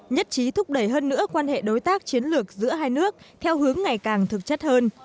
nhất trí thúc đẩy hơn nữa quan hệ đối tác chiến lược giữa hai nước theo hướng ngày càng thực chất hơn